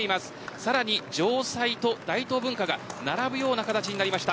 さらに城西と大東文化が並ぶような形になりました。